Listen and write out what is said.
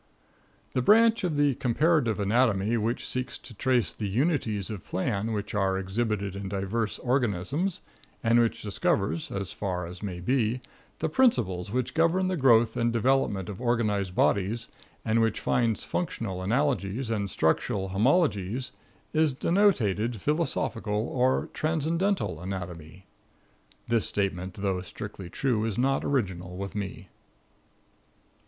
The branch of the comparative anatomy which seeks to trace the unities of plan which are exhibited in diverse organisms, and which discovers, as far as may be, the principles which govern the growth and development of organized bodies, and which finds functional analogies and structural homologies, is denominated philosophical or transcendental anatomy. (This statement, though strictly true, is not original with me.)